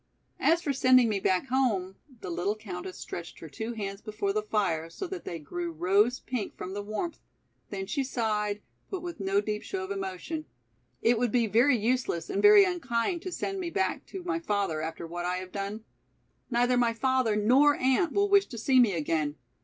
As for sending me back home," the little countess stretched her two hands before the fire so that they grew rose pink from the warmth, then she sighed, but with no deep show of emotion, "it would be very useless and very unkind to send me back to my father after what I have done? Neither my father nor aunt will wish to see me again.